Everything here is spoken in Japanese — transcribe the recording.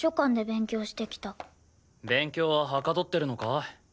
勉強ははかどってるのか？